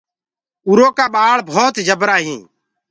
اُرو ڪآ ٻآݪ ڀوت جبرآ هينٚ۔